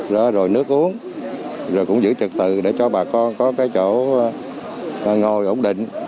đó rồi nước uống rồi cũng giữ trực tự để cho bà con có cái chỗ ngồi ổn định